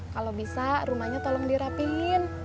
kalau bisa rumahnya tolong dirapihin